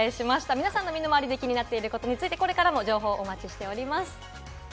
皆さんの身の回りで気になっていることについて、これからも情報をお待ちしています。